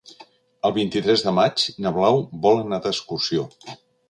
El vint-i-tres de maig na Blau vol anar d'excursió.